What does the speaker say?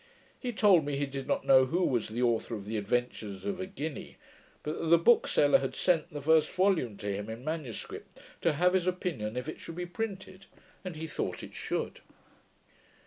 He told me he did not know who was the authour of the Adventures of a Guinea, but that the bookseller had sent the first volume to him in manuscript, to have his opinion if it should be printed; and he thought it should.